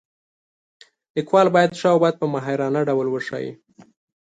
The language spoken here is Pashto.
لیکوال باید ښه او بد په ماهرانه ډول وښایي.